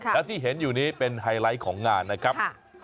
และที่เห็นอยู่นี้เป็นไฮไลท์ของงานนะครับ